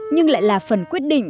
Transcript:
nhưng lại là phần quyết định